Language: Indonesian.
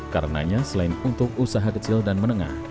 karenanya selain untuk usaha kecil dan menengah